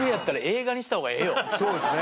そうですね